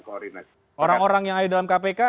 koordinasi orang orang yang ada dalam kpk